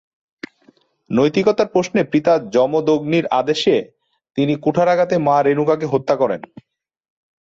নৈতিকতার প্রশ্নে পিতা জমদগ্নির আদেশে তিনি কুঠারাঘাতে মা রেণুকাকে হত্যা করেন।